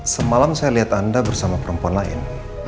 semalam saya lihat anda bersama perempuan lain